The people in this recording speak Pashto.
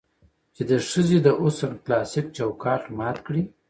چې د ښځې د حسن کلاسيک چوکاټ مات کړي